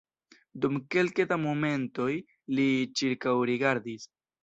Dum kelke da momentoj li ĉirkaŭrigardis.